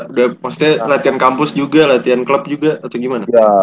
udah pasti latihan kampus juga latihan klub juga atau gimana